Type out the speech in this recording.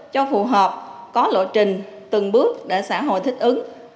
cho phù hợp có lộ trình từng bước để xã hội thích ứng